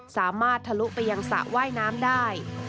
ทะลุไปยังสระว่ายน้ำได้